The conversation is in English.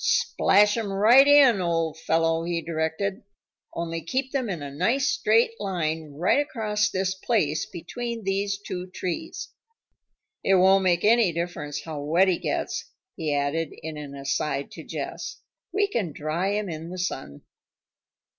"Splash 'em right in, old fellow," he directed. "Only keep them in a nice straight line right across this place between these two trees. It won't make any difference how wet he gets," he added in an aside to Jess. "We can dry him in the sun."